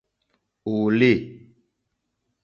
Òòle.